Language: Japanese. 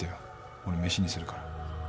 俺メシにするから。